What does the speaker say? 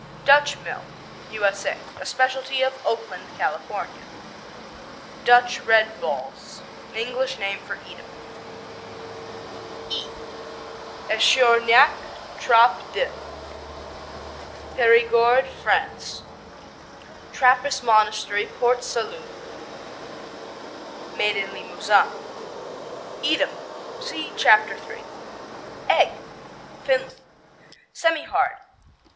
Dutch Mill U.S.A. A specialty of Oakland, California. Dutch Red Balls English name for Edam. E Echourgnac, Trappe d' Périgord, France Trappist monastery Port Salut made in Limousin. Edam see Chapter 3. Egg Finland Semihard.